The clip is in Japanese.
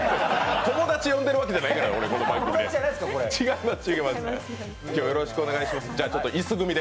友達呼んでるわけじゃないから、この番組で。